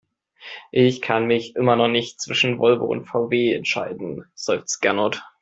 Ich kann mich noch immer nicht zwischen Volvo und VW entscheiden, seufzt Gernot.